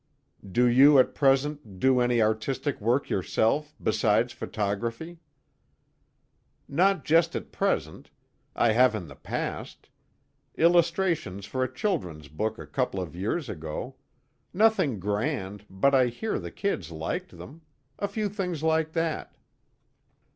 "Do you at present do any artistic work yourself, besides photography?" "Not just at present. I have in the past. Illustrations for a children's book a couple of years ago. Nothing grand, but I hear the kids liked them. A few things like that."